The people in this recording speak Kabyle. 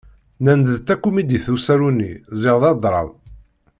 Nnan-d d takumidit usaru-nni ziɣ d adṛam.